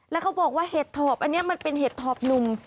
แล้วเขาบอกว่าเห็ดถอบอันนี้มันเป็นเห็ดถอบหนุ่ม